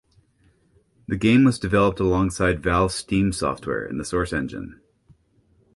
The game was developed alongside Valve's Steam software and the Source engine.